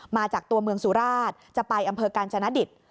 มาจากตัวเมืองสุราชจะไปอำเภอกาญจนดิต